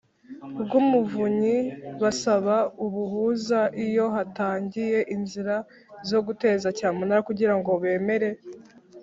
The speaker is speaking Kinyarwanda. rw Umuvunyi basaba ubuhuza iyo hatangiye inzira zo guteza cyamunara kugira ngo bemere